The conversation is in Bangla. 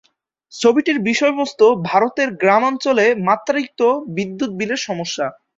ছবিটির বিষয়বস্তু ভারতের গ্রামাঞ্চলে মাত্রাতিরিক্ত বিদ্যুৎ বিলের সমস্যা।